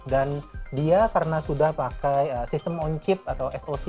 dan dia karena sudah pakai sistem on chip atau soc